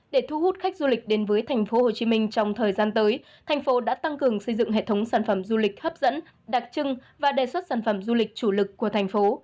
để thu hút khách du lịch đến với tp hcm trong thời gian tới thành phố đã tăng cường xây dựng hệ thống sản phẩm du lịch hấp dẫn đặc trưng và đề xuất sản phẩm du lịch chủ lực của thành phố